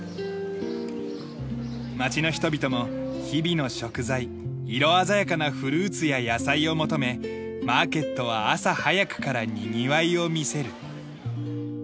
町の人々も日々の食材色鮮やかなフルーツや野菜を求めマーケットは朝早くからにぎわいを見せる。